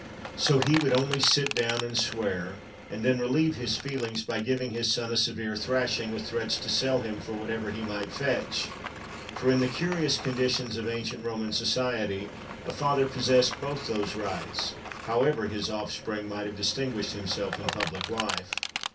So he would only sit down and swear, and then relieve his feelings by giving his son a severe thrashing, with threats to sell him for whatever he might fetch; for, in the curious conditions of ancient Roman society, a father possessed both these rights, however his offspring might have distinguished himself in public life.